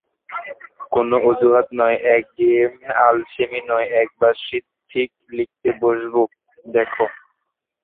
কোনো অজুহাত নয়, একঘেয়ে আলসেমি নয়, এবার শীতে ঠিক লিখতে বসব, দেখো।